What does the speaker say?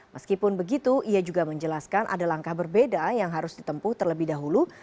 meskipun begitu ia juga menjelaskan ada langkah berbeda yang harus ditempuh terlebih dahulu